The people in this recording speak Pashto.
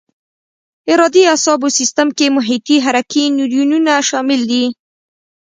ارادي اعصابو سیستم کې محیطي حرکي نیورونونه شامل دي.